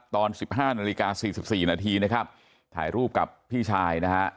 ตอน๑๕นาฬิกา๔๔นาทีนะครับถ่ายรูปกับพี่ชายนะฮะ